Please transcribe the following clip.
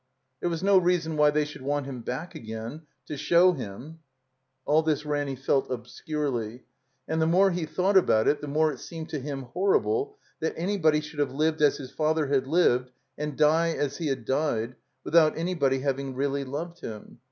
There was no reason why they should want him back again, to show him — All this Ranny felt obscurely. And the more he thought about it the more it seemed to him horrible that anybody should have lived as his father had lived and die as he had died, without anybody having really loved him.